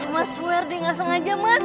mas swear deh gak sengaja mas